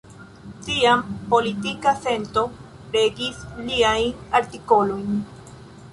Tiam politika sento regis liajn artikolojn.